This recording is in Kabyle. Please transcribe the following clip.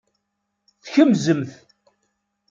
Tkemzemt.